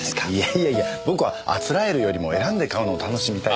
いやいや僕はあつらえるよりも選んで買うのを楽しみたい。